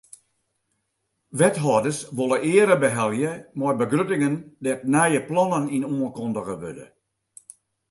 Wethâlders wolle eare behelje mei begruttingen dêr't nije plannen yn oankundige wurde.